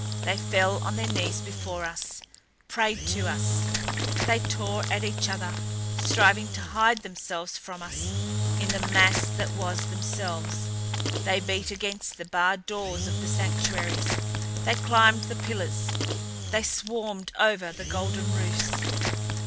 They fell on their knees before us, prayed to us. They tore at each other, striving to hide themselves from us in the mass that was themselves. They beat against the barred doors of the sanctuaries; they climbed the pillars; they swarmed over the golden roofs.